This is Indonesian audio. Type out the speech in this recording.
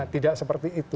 tidak seperti itu